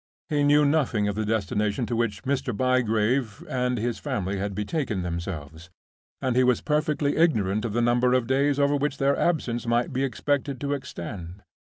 He knew nothing of the destination to which Mr. Bygrave and his family had betaken themselves, and he was perfectly ignorant of the number of days over which their absence might be expected to extend.